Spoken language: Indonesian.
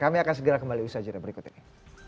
kami akan segera kembali bersajar di segmen berikutnya